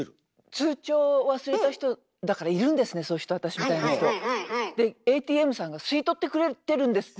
通帳忘れた人だからいるんですねそういう人私みたいな人。でＡＴＭさんが吸い取ってくれてるんですって。